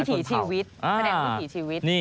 วิถีชีวิต